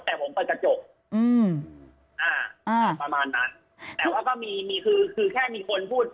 แต่ผมเปิดกระจกอืมอ่าอ่าประมาณนั้นแต่ว่าก็มีมีคือคือแค่มีคนพูด